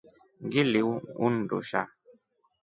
Ngili undusha.